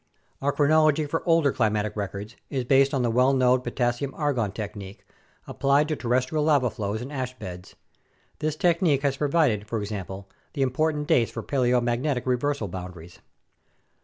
Our chronology for older climatic records is based on the well known K/Ar technique, applied to terrestrial lava flows and ash beds. This technique has pro vided, for example, the important dates for paleomagnetic reversal boundaries.